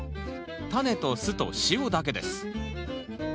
タネと酢と塩だけです。